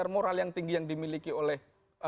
moral yang tinggi yang dimiliki oleh